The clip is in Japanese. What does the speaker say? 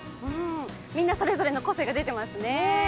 みんなそれぞれの個性が出ていますね。